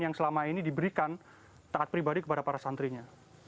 yang selama ini diberikan taat pribadi kepada para santrinya